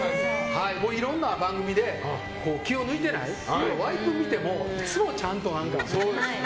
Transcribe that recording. いろんな番組で気を抜いてないワイプ見てもいつもちゃんと。